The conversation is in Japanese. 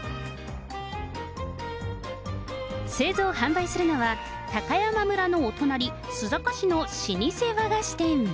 製造・販売するのは、高山村のお隣、須坂市の老舗和菓子店。